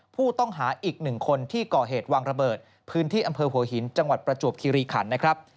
ผู้ต้องหาอีกหนึ่งคนที่ก่อเหตุวางระเบิดพื้นที่อำเภอหัวหินจังหวัดประจวบคิริขันนะครับ